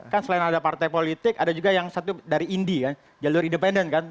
kan selain ada partai politik ada juga yang satu dari indi kan jalur independen kan